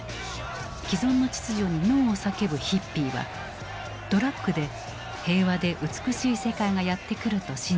既存の秩序にノーを叫ぶヒッピーはドラッグで平和で美しい世界がやって来ると信じていた。